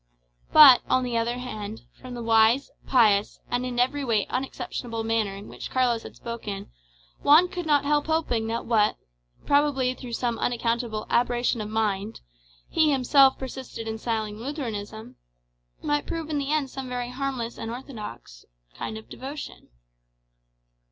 But, on the other hand, from the wise, pious, and in every way unexceptionable manner in which Carlos had spoken, Juan could not help hoping that what, probably through some unaccountable aberration of mind, he himself persisted in styling Lutheranism, might prove in the end some very harmless and orthodox kind of devotion.